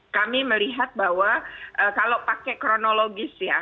kami melihat bahwa kalau pakai kronologis ya